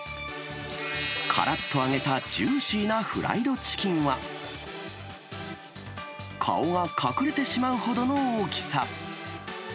からっと揚げたジューシーなフライドチキンは、顔が隠れてしまうほどの大きさ。